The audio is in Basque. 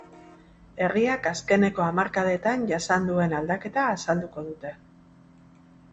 Herriak azkeneko hamarkadetan jasan duen aldaketa azalduko dute.